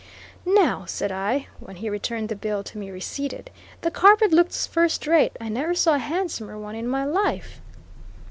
"Now," said I, when he returned the bill to me receipted, "the carpet looks firstrate; I never saw a handsomer one in my life."